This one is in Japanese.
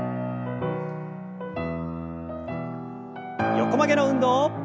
横曲げの運動。